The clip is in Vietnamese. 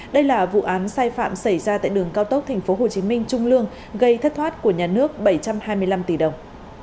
đây là vụ án sai phạm xảy ra tại đường cao tốc tp hcm trung lương gây thất thoát của nhà nước bảy trăm hai mươi năm tỷ đồng